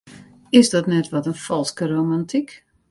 Is dat net wat in falske romantyk?